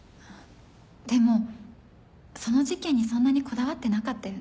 でもその事件にそんなにこだわってなかったよね？